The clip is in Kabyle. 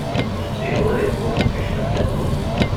netta yebɣa ad yeqqu taqcict nettat tugi